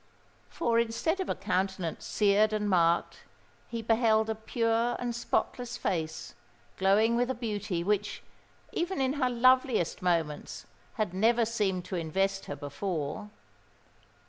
For instead of a countenance seared and marked, he beheld a pure and spotless face glowing with a beauty which, even in her loveliest moments, had never seemed to invest her before.